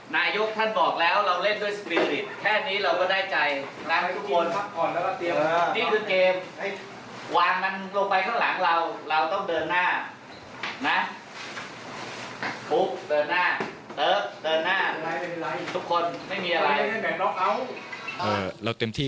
นายุคท่านบอกแล้วเราเล่นด้วยสปีริต